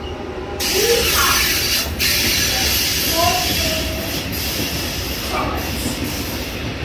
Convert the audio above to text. B. Parsons, "The Porphyry Coppers".